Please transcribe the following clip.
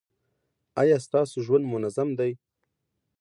ایا ستاسو ژوند منظم دی؟